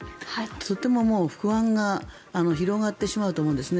とても不安が広がってしまうと思うんですね。